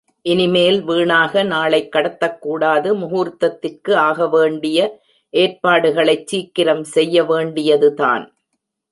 இனிமேல் வீணாக நாளைக் கடத்தக் கூடாது முகூர்த்தத்திற்கு ஆகவேண்டிய ஏற்பாடுகளைச் சீக்கிரம் செய்யவேண்டியதுதான்.